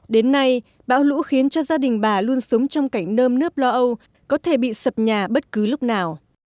đến nay bão lũ khiến cho gia đình bà luôn sống trong cảnh nơm nước lo âu có thể bị sập nhà bất cứ lúc nào